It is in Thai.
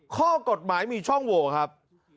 ข้อกฎหมายมีช่องโหวครับ